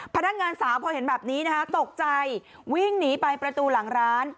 พนักงานสาวพอเห็นแบบนี้นะคะตกใจวิ่งหนีไปประตูหลังร้าน